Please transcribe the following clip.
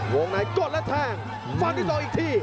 วงในเกิดและแท่งฟังของส่ออีกที